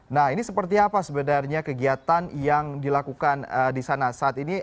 nah ini seperti apa sebenarnya kegiatan yang dilakukan di sana saat ini